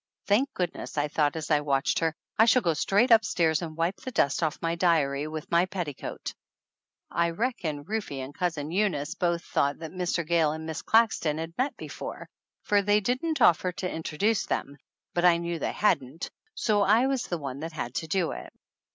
"Thank goodness!" I thought as I watched her. "I shall go straight up stairs and wipe the dust off my diary with my petticoat !" I reckon Rufe and Cousin Eunice both thought that Mr. Gayle and Miss Claxton had met before, for they didn't offer to introduce them, but I knew they hadn't, so I was the one that had to do it.